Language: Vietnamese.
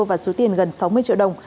và số tiền gần sáu mươi triệu đồng